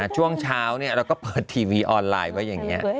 ช่วงเช้าเราก็เปิดทีวีออนไลน์ไว้อย่างนี้